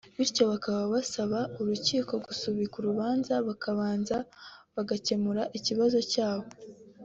bityo bakaba basaba Urukiko gusubika Urubanza bakabanza bagakemura ikibazo cya bo